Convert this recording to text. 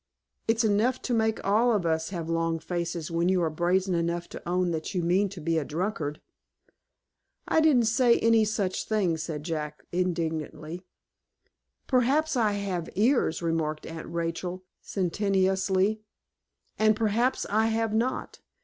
"It's enough to make all of us have long faces, when you are brazen enough to own that you mean to be a drunkard." "I didn't say any such thing," said Jack, indignantly. "Perhaps I have ears," remarked Aunt Rachel, sententiously, "and perhaps I have not.